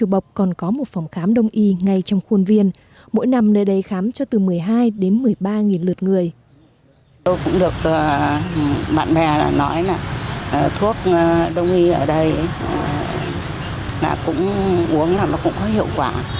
bạn bè nói là thuốc đông y ở đây uống là nó cũng có hiệu quả